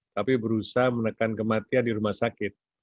tapi berusaha menekan kematian di rumah sakit